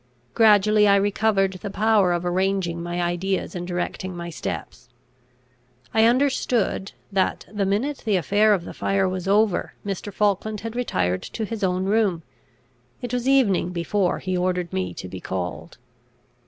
Gradually I recovered the power of arranging my ideas and directing my steps. I understood, that the minute the affair of the fire was over Mr. Falkland had retired to his own room. It was evening before he ordered me to be called.